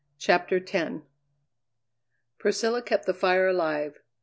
CHAPTER X Priscilla kept the fire alive.